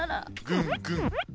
ぐんぐん！